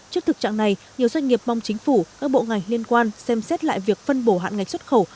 trước thực trạng này nhiều doanh nghiệp mong chính phủ các bộ ngành liên quan xem xét lại việc phân bổ hạn ngạch xuất khẩu